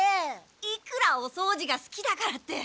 いくらおそうじがすきだからって。